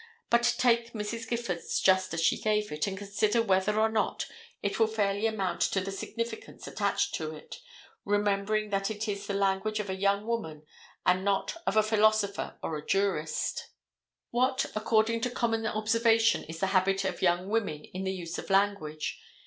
But take Mrs. Gifford's just as she gave it, and consider whether or not it will fairly amount to the significance attached to it, remembering that it is the language of a young woman and not of a philosopher or a jurist. [Illustration: THE JURY.] What, according to common observation, is the habit of young women in the use of language?